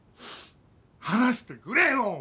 話してくれよ！